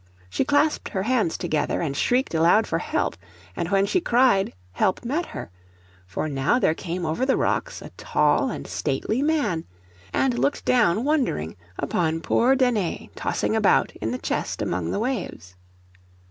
She clasped her hands together, and shrieked aloud for help. And when she cried, help met her: for now there came over the rocks a tall and stately man, and looked down wondering upon poor Danae tossing about in the chest among the waves.